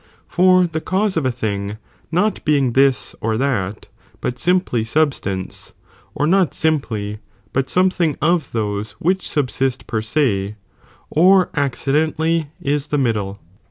For the cause of a thing not being this or RHiai. that, but simply substance, or not simply, but something of those which subsist per se, or accidentally, is the middle.